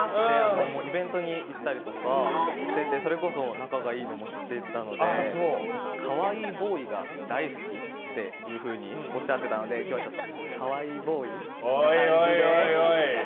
イベントに行ったりとかしててそれこそ仲がいいのも知ってたので可愛いボーイが大好きっていうふうにおっしゃっていたので今日はちょっと可愛いボーイ。